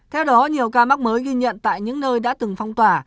theo đó nhiều ca mắc mới ghi nhận tại những nơi đã từng phong tỏa